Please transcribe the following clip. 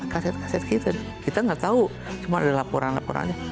kaset kaset kita kita nggak tahu cuma ada laporan laporannya